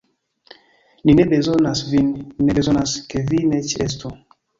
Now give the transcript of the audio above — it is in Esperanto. Ni ne bezonas vin; ni bezonas, ke vi ne ĉeestu.